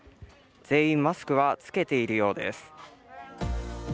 全員マスクは着けているようです。